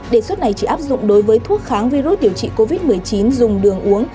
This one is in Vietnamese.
đề xuất này chỉ áp dụng đối với thuốc kháng virus điều trị covid một mươi chín dùng đường uống